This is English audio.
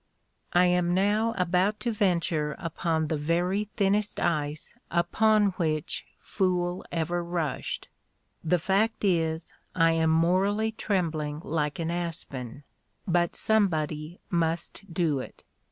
I am now about to venture upon the very thinnest ice upon which fool ever rushed. The fact is, I am morally trembling like an aspen; but somebody must do it.